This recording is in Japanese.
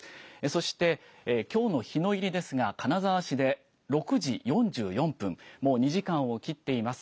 そして、きょうの日の入りですが、金沢市で６時４４分、もう２時間を切っています。